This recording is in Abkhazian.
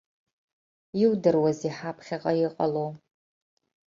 Иудыруазеи ҳаԥхьаҟа иҟало?!